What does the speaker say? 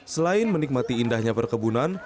selain menikmati indahnya perkebunan